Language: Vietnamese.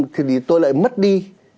thì tôi lại mất đi